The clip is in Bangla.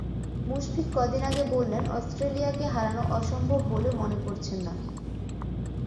মুশফিক কদিন আগে বললেন, অস্ট্রেলিয়াকে হারানো অসম্ভব বলে মনে করছেন না।